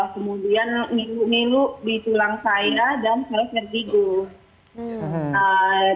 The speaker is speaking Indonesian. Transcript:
kemudian ngilu ngilu di tulang saya dan saya vertigo